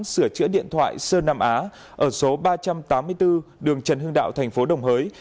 sửa chữa điện thoại sơn nam á ở số ba trăm tám mươi bốn đường trần hưng đạo thành phố đồng hới